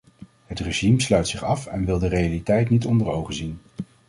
Het regime sluit zich af en wil de realiteit niet onder ogen zien.